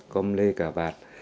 com lê cả vạt